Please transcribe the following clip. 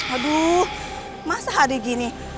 aduh masa hari gini